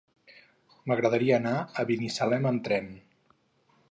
M'agradaria anar a Binissalem amb tren.